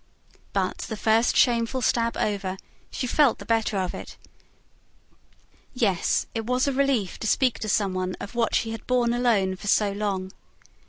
But, the first shameful stab over, she felt the better of it; yes, it was a relief to speak to some one of what she had borne alone for so long.